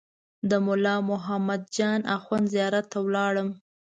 د ملا محمد جان اخوند زیارت ته ولاړم.